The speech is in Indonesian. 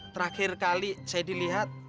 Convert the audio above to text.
terakhir kali saya dilihat